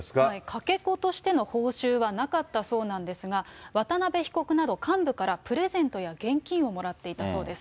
かけ子としての報酬はなかったそうなんですが、渡辺被告など幹部からプレゼントや現金をもらっていたそうです。